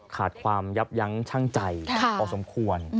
ขาดความยับยั้งชั่งใจพอสมควร